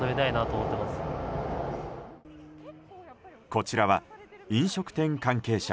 こちらは飲食店関係者。